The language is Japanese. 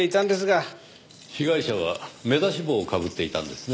被害者は目出し帽をかぶっていたんですね。